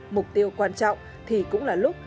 mục tiêu quan trọng thì cũng là lúc